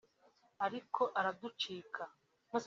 ariko araducika